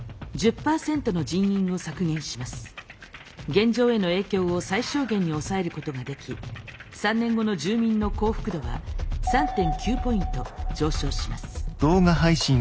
現状への影響を最小限に抑えることができ３年後の住民の幸福度は３．９ポイント上昇します。